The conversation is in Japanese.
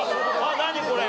何これ！